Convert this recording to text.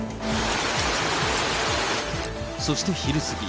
そして昼過ぎ。